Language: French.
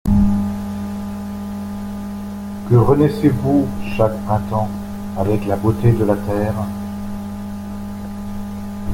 Que ne renaissez-vous, chaque printemps, avec la beauté de la terre?